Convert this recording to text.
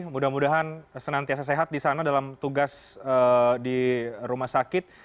mudah mudahan senantiasa sehat di sana dalam tugas di rumah sakit